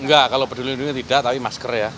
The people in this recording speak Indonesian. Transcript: enggak kalau peduli lindungi tidak tapi masker ya